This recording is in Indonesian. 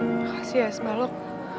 makasih ya ismaelok